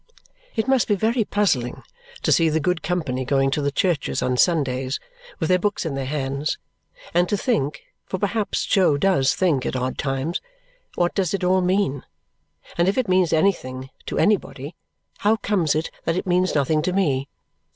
It must be very puzzling to see the good company going to the churches on Sundays, with their books in their hands, and to think (for perhaps Jo DOES think at odd times) what does it all mean, and if it means anything to anybody, how comes it that it means nothing to me?